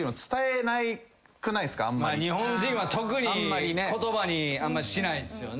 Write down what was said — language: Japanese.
日本人は特に言葉にあんましないですよね。